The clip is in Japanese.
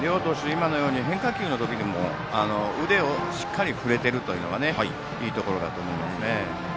今のように変化球の時にも腕をしっかり振れているのがいいところだと思いますね。